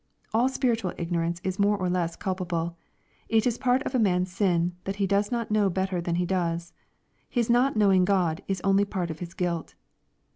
All spiritual ignorance is more or less culpable. It is part of man's sin, that he does not know better than he does. His not knowing Q od is only part of his guilt.